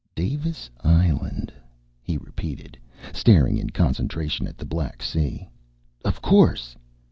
"Davis Island?" he repeated, staring in concentration at the black sea. "Of course!"